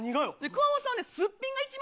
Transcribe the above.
熊元さんはね。